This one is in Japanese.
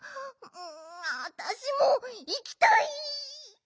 わたしもいきたい！